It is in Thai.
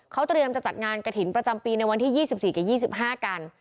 เขาเตรียมจะจัดงานกระถิ่นประจำปีในวันที่๒๔กับ๒๕กัน